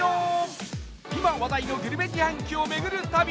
今話題のグルメ自販機を巡る旅